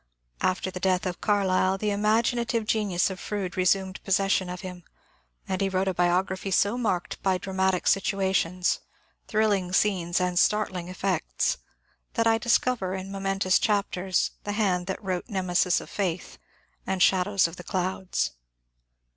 After the death of Carlyle the imaginative genius of Froude resumed possession of him, and he wrote a ^^ biography " so marked by dramatic situations, thriUing scenes, and startling effects, that I discover in momentous chapters the hand that wrote « Nemesis of Faith " and " Shadows of the Clouds."